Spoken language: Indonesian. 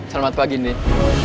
selamat pagi nin